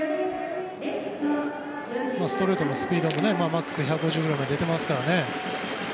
ストレートのスピードも真っすぐで１５０くらい出ていますからね。